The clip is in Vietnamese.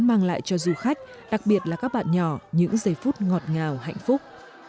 mang lại cho du khách đặc biệt là các bạn nhỏ những giây phút ngọt ngào hạnh phúc